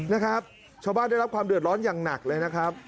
นะครับชาวบ้านได้รับความเดือดร้อนอย่างหนักเลยนะครับ